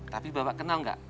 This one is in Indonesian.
tapi bapak kenal gak